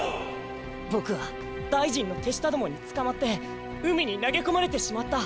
ボクは大臣のてしたどもにつかまってうみになげこまれてしまった。